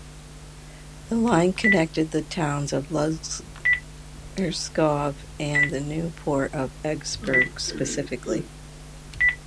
The line connected the towns of Lunderskov and the new port of Esbjerg specifically.